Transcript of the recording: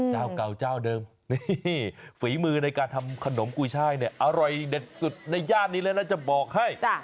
เจ้าเก่าเจ้าเดิมนี่ฝีมือในการทำขนมกุยช่ายเนี่ยอร่อยเด็ดสุดในย่านนี้เลยนะจะบอกให้